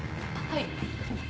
はい。